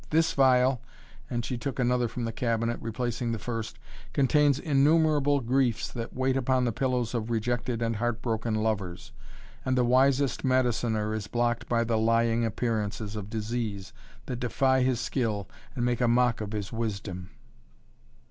This phial" and she took another from the cabinet, replacing the first "contains innumerable griefs that wait upon the pillows of rejected and heartbroken lovers, and the wisest mediciner is mocked by the lying appearances of disease that defy his skill and make a mock of his wisdom."